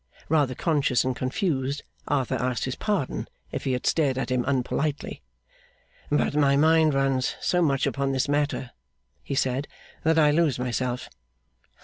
Rather conscious and confused, Arthur asked his pardon, if he had stared at him unpolitely. 'But my mind runs so much upon this matter,' he said, 'that I lose myself.